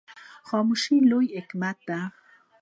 خاموشي ولې حکمت دی؟